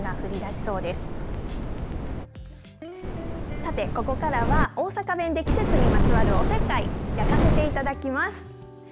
さて、ここからは大阪弁で季節にまつわるおせっかい焼かせていただきます。